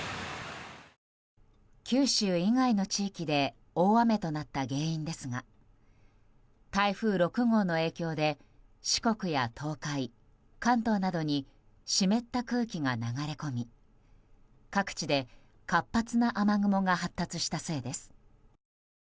九州以外の地域で大雨となった原因ですが台風６号の影響で四国や東海、関東などに湿った空気が流れ込み各地で活発な雨雲が発達したせいです。